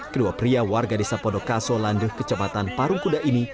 kedua pria warga desa podokaso landuh kecamatan parungkuda ini